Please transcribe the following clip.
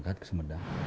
kampus empat rakyat